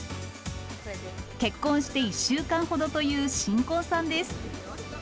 結婚して１週間ほどという新婚さんです。